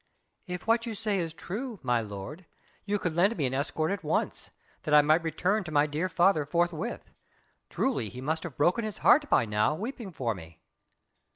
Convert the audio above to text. "If what you say is true, my lord, you could lend me an escort at once, that I might return to my dear father forthwith. Truly he must have broken his heart by now, weeping for me."